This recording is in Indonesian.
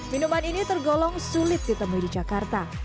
minuman ini tergolong sulit ditemui di jakarta